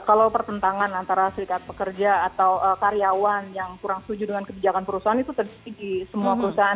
kalau pertentangan antara serikat pekerja atau karyawan yang kurang setuju dengan kebijakan perusahaan itu terjadi di semua perusahaan